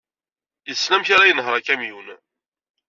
Yessen amek ara yenheṛ akamyun.